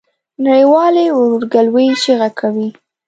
نړۍ والي ورورګلوی چیغه کوي.